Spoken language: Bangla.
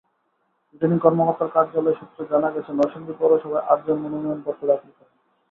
রিটার্নিং কর্মকর্তার কার্যালয় সূত্রে জানা গেছে, নরসিংদী পৌরসভায় আটজন মনোনয়নপত্র দাখিল করেন।